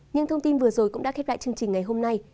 những thông tin vừa rồi cũng đã khép lại chương trình ngày hôm nay